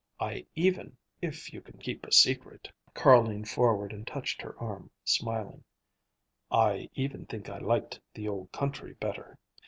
I even, if you can keep a secret,"—Carl leaned forward and touched her arm, smiling,—"I even think I liked the old country better.